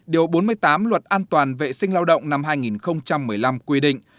điều bốn mươi tám luật an toàn vệ sinh lao động năm hai nghìn một mươi năm quy định